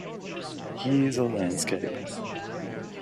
Here's a landscape!